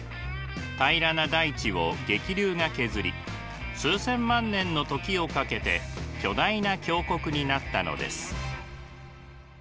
平らな大地を激流が削り数千万年の時をかけて巨大な峡谷になったのです。